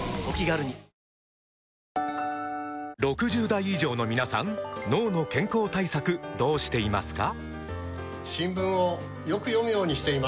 ６０代以上の皆さん脳の健康対策どうしていますか？